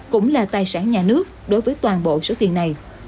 cũng là tài sản nhà nước đối với toàn bộ số tiền này